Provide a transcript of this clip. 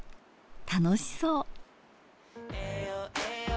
楽しそう。